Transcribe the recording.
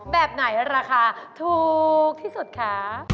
แบบไหนราคาถูกที่สุดคะ